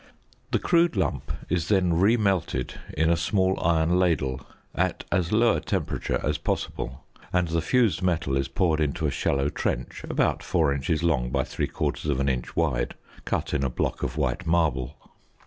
The crude lump is then remelted in a small iron ladle at as low a temperature as possible, and the fused metal is poured into a shallow trench about 4 inches long by 3/4 of an inch wide cut in a block of white marble.